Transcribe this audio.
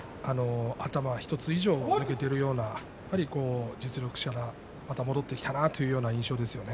頭１つ抜けているような実力者でまた戻ってきたなという印象ですね。